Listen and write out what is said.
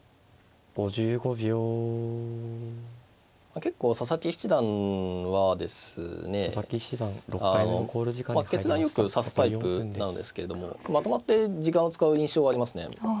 結構佐々木七段はですね決断よく指すタイプなんですけれどもまとまって時間を使う印象がありますね。